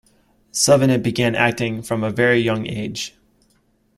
Suvanant began acting from a very young age.